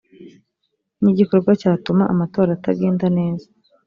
ni igikorwa cyatuma amatora atagenda neza